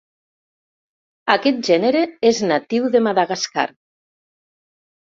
Aquest gènere és natiu de Madagascar.